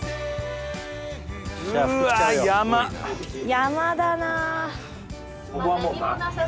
山だな。